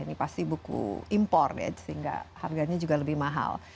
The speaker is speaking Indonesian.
di buku impor ya sehingga harganya juga lebih mahal